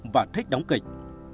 và thích đóng kịch